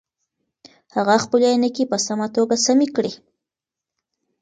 هغه خپلې عینکې په سمه توګه سمې کړې.